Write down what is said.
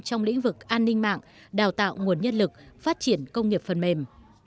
trong lĩnh vực an ninh mạng đào tạo nguồn nhân lực phát triển công nghiệp phần mềm